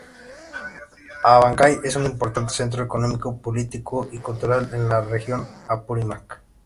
Abancay es un importante centro económico, político y cultural de la región Apurímac.